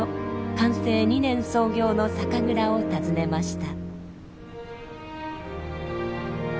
寛政２年創業の酒蔵を訪ねました。